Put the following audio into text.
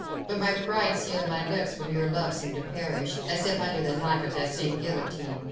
But my pride sealed my lips, when your love seemed to perish, as if under the knife of that same guillotine.